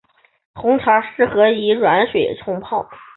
红茶适合以软水冲泡。